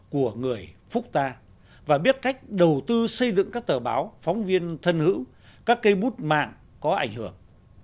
của người phúc ta và biết cách đầu tư xây dựng các tờ báo phóng viên thân hữu các cây bút mạng có ảnh hưởng